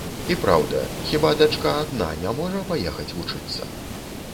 І праўда, хіба дачка адна не можа паехаць вучыцца?